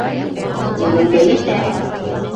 Бөгөнгә етәр.